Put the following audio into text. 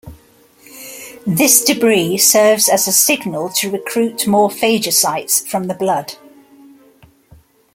This debris serves as a signal to recruit more phagocytes from the blood.